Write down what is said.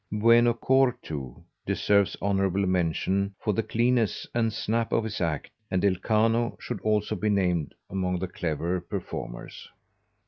Bueno Core, too, deserves honorable mention for the cleanness and snap of his act; and Del Kano should also be named among the cleverer performers.